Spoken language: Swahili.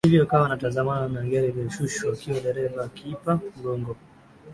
Hivyo akawa anatazamana na gari iliyoshushwa kioo dereva akiipa mgongo